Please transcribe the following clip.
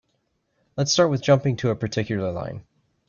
Let's start with jumping to a particular line.